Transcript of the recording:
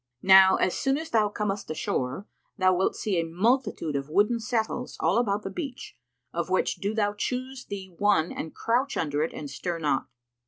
Now as soon as thou comest ashore, thou wilt see a multitude of wooden settles all about the beach, of which do thou choose thee one and crouch under it and stir not.